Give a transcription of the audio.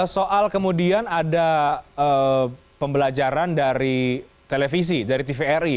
soal kemudian ada pembelajaran dari televisi dari tvri